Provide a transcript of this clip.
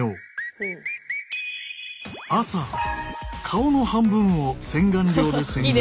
朝顔の半分を洗顔料で洗顔。